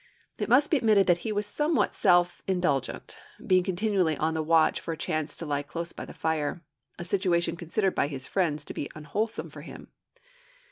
It must be admitted that he was somewhat self indulgent, being continually on the watch for a chance to lie close by the fire a situation considered by his friends to be unwholesome for him.